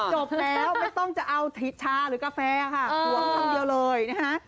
จบแล้วไม่ต้องจะเอาชาหรือกาแฟค่ะห่วงคำเดียวเลยนะฮะ